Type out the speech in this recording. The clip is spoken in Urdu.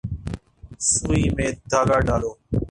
سوئی میں دھاگہ ڈالو